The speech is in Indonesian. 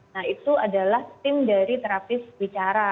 nah itu adalah tim dari terapis bicara